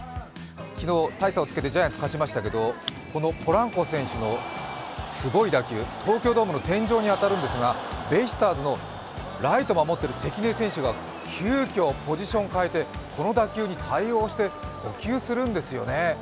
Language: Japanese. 昨日大差をつけてジャイアンツ勝ちましたけどこのポランコ選手のこの打球、ベイスターズのライト守っている関根選手が急きょポジション変えてこの打球に対応して捕球するんですよね。